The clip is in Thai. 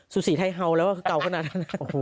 สุศีไทยเฮาแล้วว่ากับเก่าขนาดนั้น